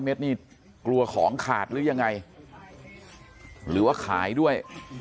เม็ดนี่กลัวของขาดหรือยังไงหรือว่าขายด้วย